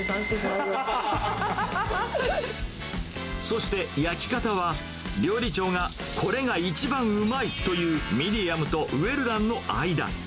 そして焼き方は、料理長がこれが一番うまいと言う、ミディアムとウェルダンの間。